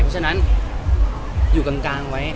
เพราะฉะนั้นอยู่กลางไว้